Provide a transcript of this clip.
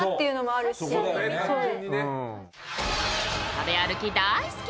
食べ歩き大好き！